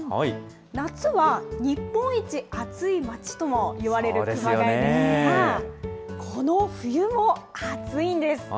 夏は日本一熱い街ともいわれる熊谷ですが、この冬も熱いんです。